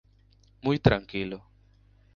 Muy tranquilo.